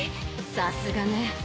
さすがね。